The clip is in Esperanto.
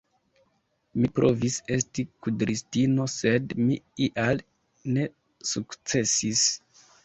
Mi provis esti kudristino, sed mi ial ne sukcesis!